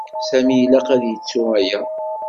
Sami ilaq ad yettu aya.